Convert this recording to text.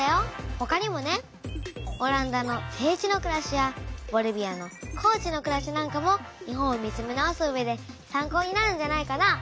ほかにもね「オランダの低地のくらし」や「ボリビアの高地のくらし」なんかも日本を見つめ直すうえで参考になるんじゃないかな。